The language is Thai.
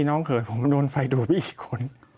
น้องเขยผมโดนไฟดูดไปอีกคน